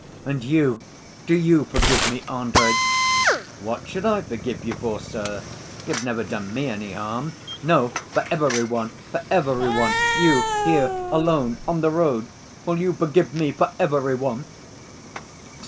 "And you, do you forgive me, Andrey?" "What should I forgive you for, sir? You've never done me any harm." "No, for every one, for every one, you here alone, on the road, will you forgive me for every one?